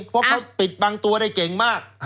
เพราะเขาปิดบังตัวได้เก่งมาก